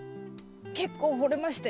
結構掘れましたよ。